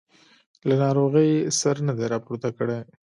له ناروغۍ یې سر نه دی راپورته کړی.